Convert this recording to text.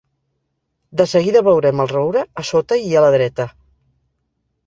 De seguida veurem el roure, a sota i a la dreta.